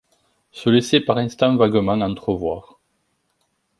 Se laissaient par instants vaguement entrevoir !